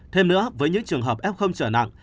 thêm nữa với những trường hợp f trở nặng